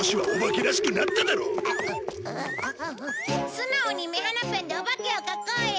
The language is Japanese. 素直に目鼻ペンでお化けを描こうよ！